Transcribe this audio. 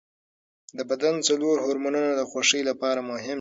د بدن څلور هورمونونه د خوښۍ لپاره مهم دي.